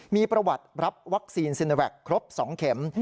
มีประวัติรับวัคซีนาแว็กซ์ครบ๒เข็ม